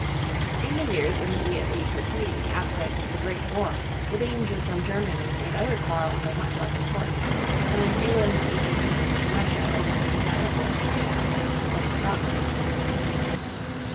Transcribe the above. In the years immediately preceding the outbreak of the Great War the danger from Germany made other quarrels of much less importance, and England's disagreement with Russia over her desire for a trade outlet was forgotten.